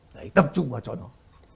đấy tập trung vào cho nó